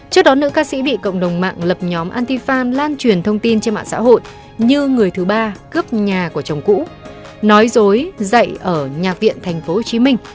chỉ bị cộng đồng mạng lập nhóm anti fan lan truyền thông tin trên mạng xã hội như người thứ ba cướp nhà của chồng cũ nói dối dậy ở nhạc viện tp hcm